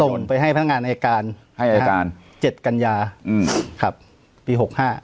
ส่งไปให้พนักงานอายการ๗กันยาครับปี๖๕